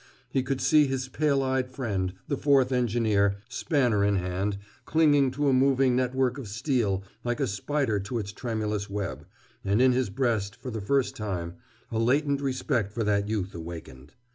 He could see his pale eyed friend, the fourth engineer, spanner in hand, clinging to a moving network of steel like a spider to its tremulous web—and in his breast, for the first time, a latent respect for that youth awakened.